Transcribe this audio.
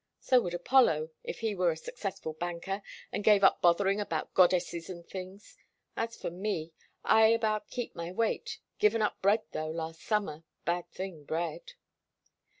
So would Apollo, if he were a successful banker, and gave up bothering about goddesses and things. As for me, I about keep my weight. Given up bread, though last summer. Bad thing, bread."